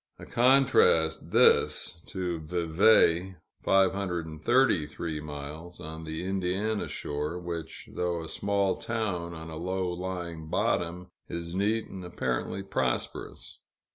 A contrast this, to Vevay (533 miles), on the Indiana shore, which, though a small town on a low lying bottom, is neat and apparently prosperous.